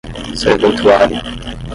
serventuário